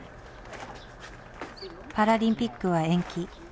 パラリンピックは延期。